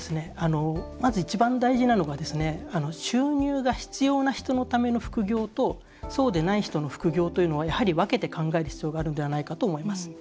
まず一番大事なのが収入が必要な人のための副業とそうでない人の副業というのはやはり、分けて考える必要があるのではないかと思います。